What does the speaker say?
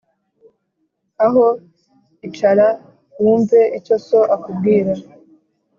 aho icara wumve icyo so akubwira.